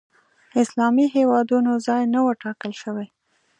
اسلامي هېوادونو ځای نه و ټاکل شوی